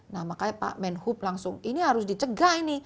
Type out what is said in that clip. nah makanya pak menhub langsung ini harus dicegah ini